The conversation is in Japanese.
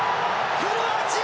クロアチア！